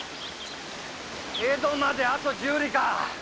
・江戸まであと十里か。